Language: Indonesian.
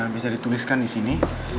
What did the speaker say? bisa dituliskan disini